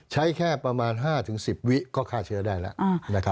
ใช้แค่ประมาณ๕๑๐วิก็ฆ่าเชื้อได้แล้ว